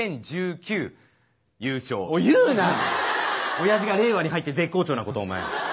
おやじが令和に入って絶好調なことお前。